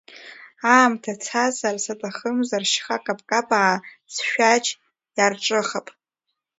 Аамҭа цазар, саҭахымзар, шьха каԥкаԥаа сшәаџь иарҿыхап.